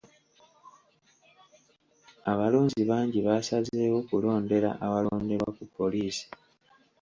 Abalonzi bangi baasazeewo kulondera awalonderwa ku poliisi.